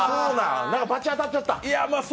バチ当たっちゃった。